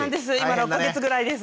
今６か月ぐらいです。